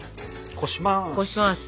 こします。